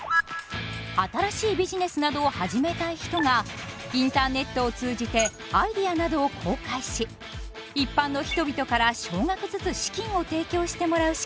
新しいビジネスなどを始めたい人がインターネットを通じてアイデアなどを公開し一般の人々から少額ずつ資金を提供してもらうしくみです。